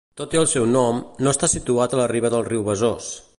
Tot i el seu nom, no està situat a la riba del riu Besòs.